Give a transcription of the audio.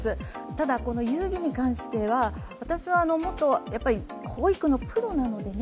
ただこの遊戯に関しては、私はもっとも保育のプロなのでね